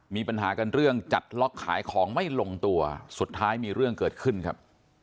มีปัญหากันเรื่องจัดล็อกขายของไม่ลงตัวสุดท้ายมีเรื่องเกิดขึ้นครับ